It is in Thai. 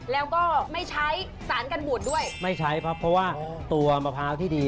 แล้วก็ไม่ใช้สารกันบูดด้วยไม่ใช้ครับเพราะว่าตัวมะพร้าวที่ดี